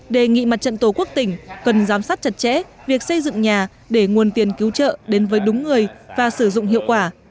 đề nghị mặt trận tổ quốc tỉnh cần giám sát chặt chẽ việc xây dựng nhà để nguồn tiền cứu trợ đến với đúng người và sử dụng hiệu quả